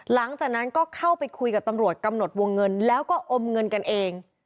หลังจากนั้นก็เข้าไปคุยกับตำรวจกำหนดวงเงินแล้วก็อมเงินกันเอง